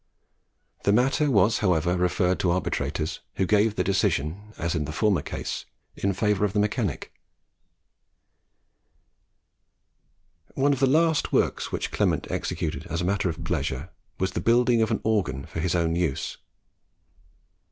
The matter was, however, referred to arbitrators, who gave their decision, as in the former case, in favour of the mechanic. One of the last works which Clement executed as a matter of pleasure, was the building of an organ for his own use.